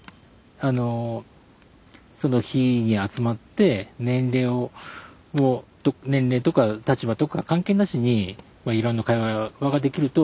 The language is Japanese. その火に集まって年齢とか立場とか関係なしにいろんな会話ができると。